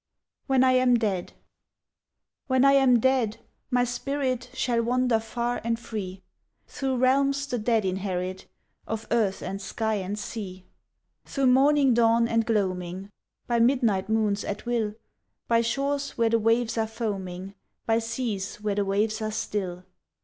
"WHEN I AM DEAD" When I am dead, my spirit Shall wander far and free, Through realms the dead inherit Of earth and sky and sea; Through morning dawn and gloaming, By midnight moons at will, By shores where the waves are foaming, By seas where the waves are still.